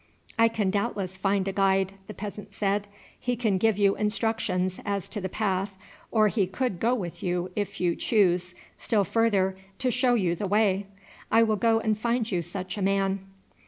"I can doubtless find a guide," the peasant said; "he can give you instructions as to the path, or he could go with you, if you choose, still further, to show you the way. I will go and find you such a man."